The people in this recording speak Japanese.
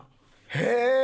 へえ。